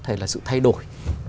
hay là sự thay đổi